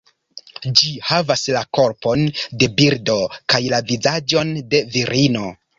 Ĝi havas la korpon de birdo kaj la vizaĝon de virino.